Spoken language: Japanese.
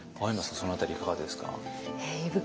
その辺りいかがですか？